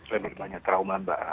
lebih banyak trauma mbak